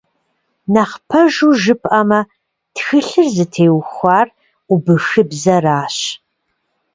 Нэхъ пэжу жыпӀэмэ, тхылъыр зытеухуар убыхыбзэращ.